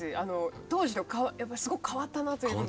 当初すごく変わったなというのは。